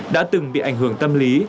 đã từng bị ảnh hưởng tâm lý